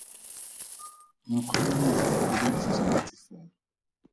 Nkgo ya metsi e dirisetswa metsi fela.